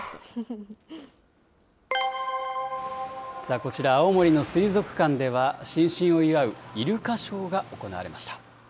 こちら、青森の水族館では、新春を祝うイルカショーが行われました。